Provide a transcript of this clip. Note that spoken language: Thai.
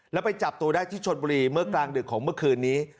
แล้วไปจับตัวได้ที่ชนบุรีเมื่อกลางดึกของเมื่อคืนนี้